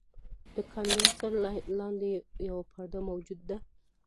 د کاندنسر لاندې یوه پرده موجوده ده.